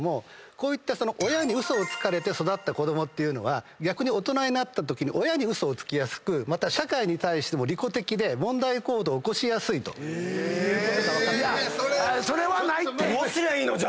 こういった親に嘘をつかれて育った子供っていうのは逆に大人になったときに親に嘘をつきやすくまた社会に対しても利己的で問題行動を起こしやすいと。え！いやそれはないって。